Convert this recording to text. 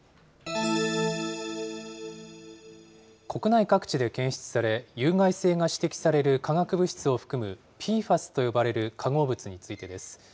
国内各地で検出され、有害性が指摘される化学物質を含むＰＦＡＳと呼ばれる化合物についてです。